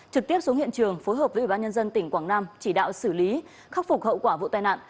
trực tiếp xuống hiện trường phối hợp với ủy ban nhân dân tỉnh quảng nam chỉ đạo xử lý khắc phục hậu quả vụ tai nạn